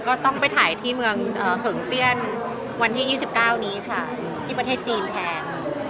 ก็ต้องไปถ่ายที่เมืองเหิงเปี้ยนวันที่๒๙นี้ค่ะที่ประเทศจีนแทน